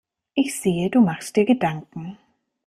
Ich sehe, du machst dir Gedanken.